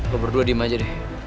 gue berdua diem aja deh